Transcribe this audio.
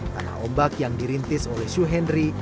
tanah ombak yang dirintis oleh syuhendri